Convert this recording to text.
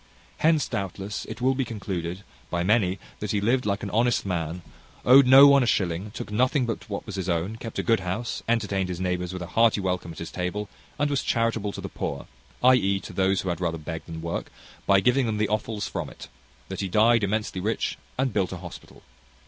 Hence, doubtless, it will be concluded by many that he lived like an honest man, owed no one a shilling, took nothing but what was his own, kept a good house, entertained his neighbours with a hearty welcome at his table, and was charitable to the poor, i.e. to those who had rather beg than work, by giving them the offals from it; that he died immensely rich and built an hospital.